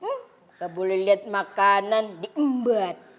tidak boleh lihat makanan diembat